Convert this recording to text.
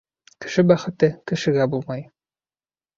Кеше бәхете кешегә булмай.